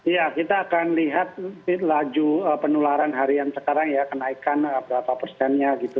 ya kita akan lihat laju penularan harian sekarang ya kenaikan berapa persennya gitu